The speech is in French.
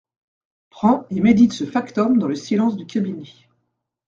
Prends et médite ce factum dans le silence du cabinet.